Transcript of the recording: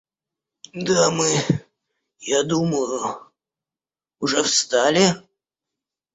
Дамы, я думаю, уже встали?